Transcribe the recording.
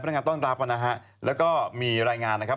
นักงานต้อนรับนะฮะแล้วก็มีรายงานนะครับ